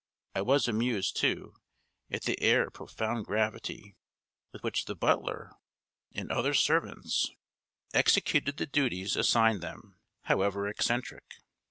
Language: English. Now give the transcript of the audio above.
I was amused, too, at the air of profound gravity with which the butler and other servants executed the duties assigned them, however eccentric.